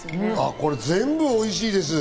これ全部おいしいです。